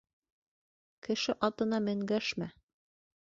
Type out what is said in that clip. Кеше атына менгәшмә